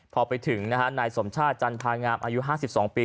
พอไปถึงนะฮะนายสมชาติจันทร์พางามอายุห้าสิบสองปี